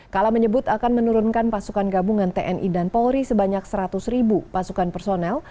kala menyebut akan menurunkan pasukan gabungan tni dan polri sebanyak seratus ribu pasukan personel